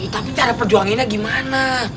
tapi cara perjuanginnya gimana